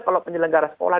kalau penyelenggara sekolah